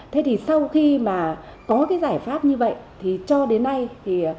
thế thì sau khi mà có cái giải pháp như vậy thì cho đến nay thì